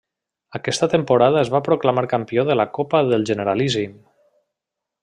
Aquesta temporada es va proclamar campió de la Copa del Generalíssim.